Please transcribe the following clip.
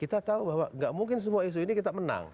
kita tahu bahwa nggak mungkin semua isu ini kita menang